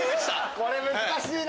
これ難しいな。